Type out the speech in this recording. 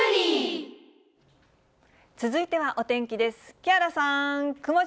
続いてはお天気です。